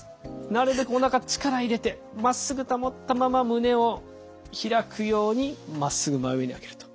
なるべくおなか力入れてまっすぐ保ったまま胸を開くようにまっすぐ真上に上げると。